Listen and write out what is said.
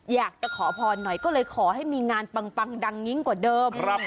อยากจะขอพรหน่อยก็เลยขอให้มีงานปังดังยิ่งกว่าเดิม